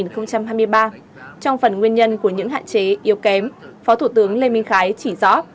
trong phần nguyên nhân của những hạn chế yếu kém phó thủ tướng lê minh khái chỉ rõ